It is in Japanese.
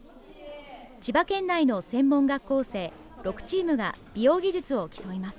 千葉県内の専門学校生、６チームが美容技術を競います。